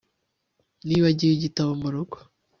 Nibagiwe igitabo murugo